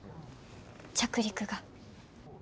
着陸が。